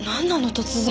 突然。